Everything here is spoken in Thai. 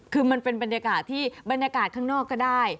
คือมันเป็นบรรยากาศที่บรรยากาศข้างนอกก็ได้